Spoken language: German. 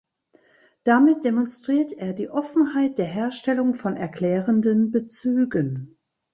Damit demonstriert er die Offenheit der Herstellung von erklärenden Bezügen.